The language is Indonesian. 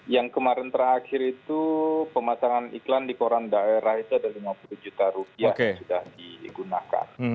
yang kemarin terakhir itu pemasangan iklan di koran daerah itu ada lima puluh juta rupiah yang sudah digunakan